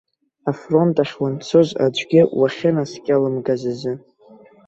Афронт ахь уанцоз аӡәгьы уахьынаскьалымгаз азы.